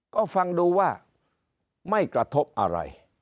ก็ฟังดูว่าไม่กระทบอะไร